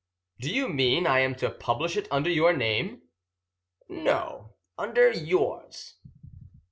"Do you mean I am to publish it under your name?" "No, under yours."